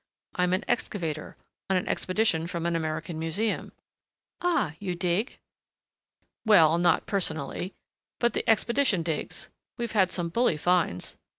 I am an excavator on an expedition from an American museum." "Ah, you dig?" "Well, not personally.... But the expedition digs.... We've had some bully finds."